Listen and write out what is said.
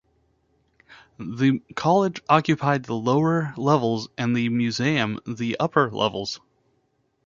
The college occupied the lower levels and the museum the upper levels.